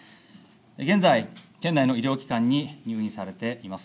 現在、県内の医療機関に入院されています。